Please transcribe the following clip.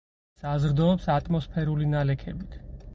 საზრდოობს ატმოსფერული ნალექებით.